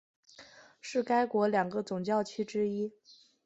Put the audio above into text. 是该国两个总教区之一。